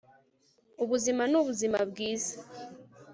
Ubuzima nubuzima bwiza